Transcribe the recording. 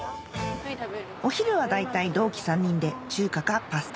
お昼は大体同期３人で中華かパスタ